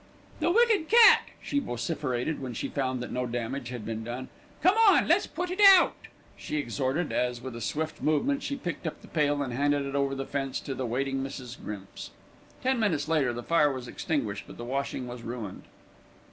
"The wicked cat!" she vociferated, when she found that no damage had been done. "Come on, let's put it out," she exhorted as, with a swift movement, she picked up the pail and handed it over the fence to the waiting Mrs. Grimps. Ten minutes later, the fire was extinguished; but the washing was ruined.